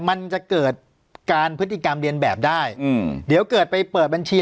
มันจะเกิดการพฤติกรรมเรียนแบบได้อืมเดี๋ยวเกิดไปเปิดบัญชี